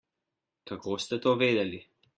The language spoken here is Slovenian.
Kako ste to vedeli?